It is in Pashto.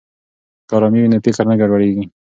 که ارامي وي نو فکر نه ګډوډیږي.